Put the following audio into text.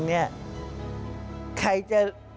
ใครจะคิดว่า